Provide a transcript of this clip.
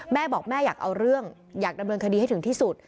แม่บอกแม่อยากเอาเรื่องอยากดำเนินคดีให้ถึงที่สุด